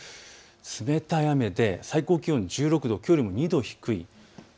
冷たい雨で最高気温１６度きょうよりも２度低いです。